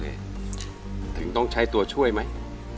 ได้เลยถึงต้องใช้ตั๋วช่วยไหม